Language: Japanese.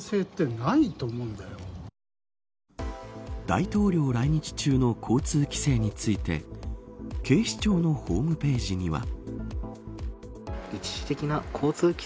大統領来日中の交通規制について警視庁のホームページには。